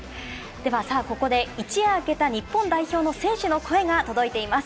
では、さあここで一夜明けた日本代表の選手の声が届いています。